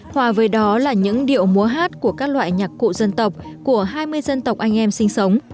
hòa với đó là những điệu múa hát của các loại nhạc cụ dân tộc của hai mươi dân tộc anh em sinh sống